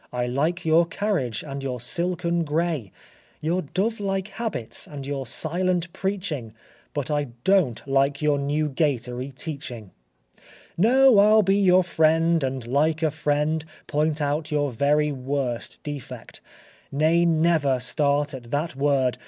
I like your carriage and your silken gray, Your dove like habits and your silent preaching, But I don't like your Newgatory teaching. ····· No, I'll be your friend, and like a friend Point out your very worst defect. Nay, never Start at that word!